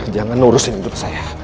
jangan nurusin untuk saya